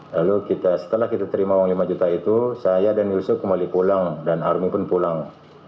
lalu setelah kita terima uang lima juta itu saya dan yusuf kembali pulang dan army pun pulang